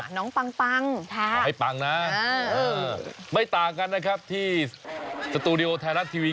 หนองปังค่ะอ๋อไอ้ปังนะไม่ต่างกันนะครับที่สตูดิโอธนาศทีวี